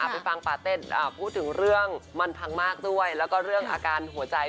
ไปฟังปาเต้นพูดถึงเรื่องมันพังมากด้วยแล้วก็เรื่องอาการหัวใจ